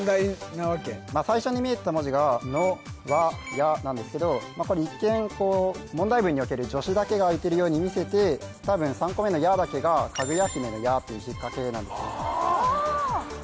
「や」なんですけどこれ一見問題文における助詞だけが開いてるように見せて多分３個目の「や」だけがかぐや姫の「や」というひっかけなんですねて